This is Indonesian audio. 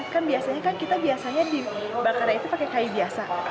kan biasanya kan kita biasanya dibakarnya itu pakai kayu biasa